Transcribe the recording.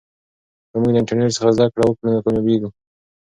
که موږ له انټرنیټ څخه زده کړه وکړو نو کامیابېږو.